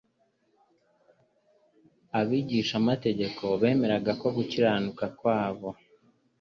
Abigishamategeko bemezaga ko gukiranuka kwabo